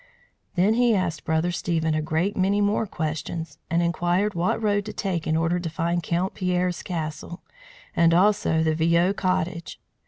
Then he asked Brother Stephen a great many more questions, and inquired what road to take in order to find Count Pierre's castle, and also the Viaud cottage.